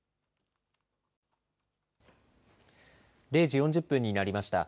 ０時４０分になりました。